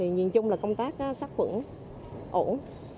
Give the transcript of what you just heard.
nhìn chung là công tác sát quẩn ổn